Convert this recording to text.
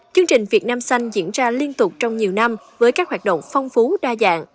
chương trình việt nam xanh diễn ra liên tục trong nhiều năm với các hoạt động phong phú đa dạng